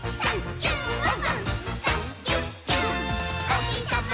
「おひさま